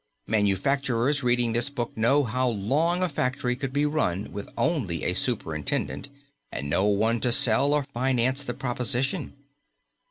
Manufacturers reading this book know how long a factory could be run with only a superintendent and no one to sell or finance the proposition.